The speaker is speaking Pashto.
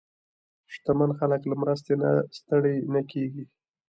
شتمن خلک له مرستې نه ستړي نه کېږي.